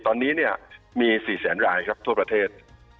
ตอนนี้เนี่ยมี๔แสนรายครับทั่วประเทศ